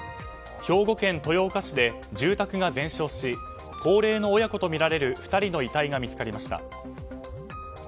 兵庫県豊岡市で住宅が全焼し高齢の親子とみられる２人の遺体が見つかりました。